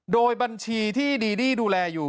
โดยบัญชีที่ดีดี้ดูแลอยู่